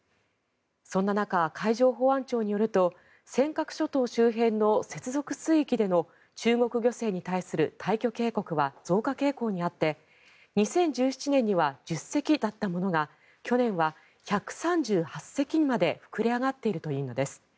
そんな中、海上保安庁によると尖閣諸島周辺の接続水域での中国漁船に対する退去警告は増加傾向にあって２０１７年には１０隻だったものが去年は１３８隻にまで膨れ上がっているというのです。